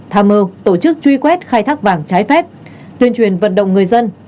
tham mơ tổ chức truy quét khai thác vàng trái phép tuyên truyền vận động người dân